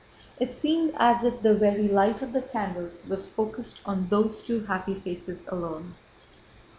It seemed as if the very light of the candles was focused on those two happy faces alone.